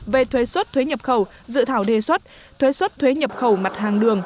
về thuế xuất thuế nhập khẩu dự thảo đề xuất thuế xuất thuế nhập khẩu mặt hàng đường